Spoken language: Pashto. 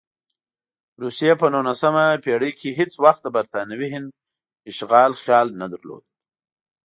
روسیې په نولسمه پېړۍ کې هېڅ وخت د برټانوي هند اشغال خیال نه درلود.